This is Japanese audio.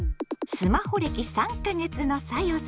スマホ歴３か月のさよさ